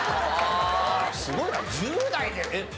すごいな１０代でえっ？